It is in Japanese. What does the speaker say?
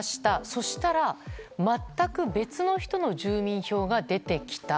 そしたら全く別の人の住民票が出てきた。